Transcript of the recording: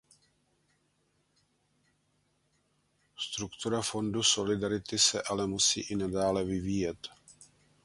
Struktura Fondu solidarity se ale musí i nadále vyvíjet.